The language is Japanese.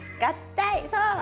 そう！